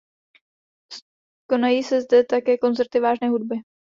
Konají se zde také koncerty vážné hudby.